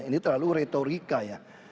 ini terlalu retorika ya